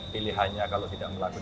pilihannya kalau tidak melakukan